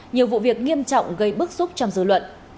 nhiều vụ việc nghiêm trọng gây bức xúc trong dư luận